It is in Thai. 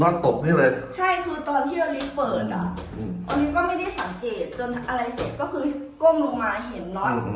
โอลิฟต์ก็ไม่ได้สังเกตจนอะไรเสร็จก็คือก้มลงมาเห็นน็อตอืม